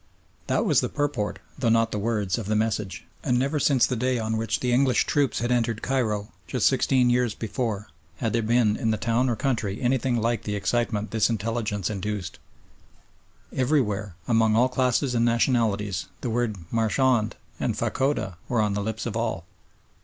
That was the purport, though not the words of the message, and never since the day on which the English troops had entered Cairo, just sixteen years before, had there been in the town or country anything like the excitement this intelligence induced. Everywhere, among all classes and nationalities, the words "Marchand" and "Fachoda" were on the lips of all.